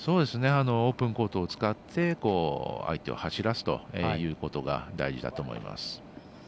オープンコートを使って相手を走らせるということが大事だと思います。